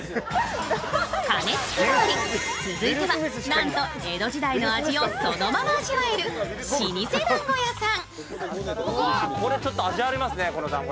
鐘つき通り、続いてはなんと江戸時代の味をそのまま味わえる老舗だんご屋さん。